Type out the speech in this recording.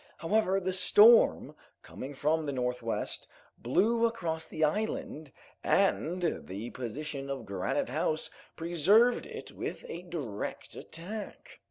However, the storm, coming from the northwest, blew across the island, and the position of Granite House preserved it from a direct attack.